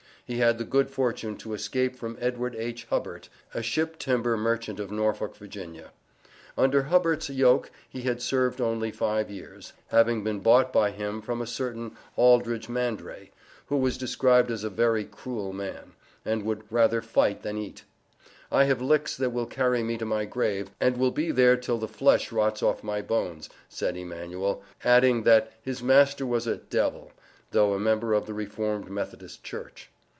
He had the good fortune to escape from Edward H. Hubbert, a ship timber merchant of Norfolk, Va. Under Hubbert's yoke he had served only five years, having been bought by him from a certain Aldridge Mandrey, who was described as a "very cruel man," and would "rather fight than eat." "I have licks that will carry me to my grave, and will be there till the flesh rots off my bones," said Emanuel, adding that his master was a "devil," though a member of the Reformed Methodist Church.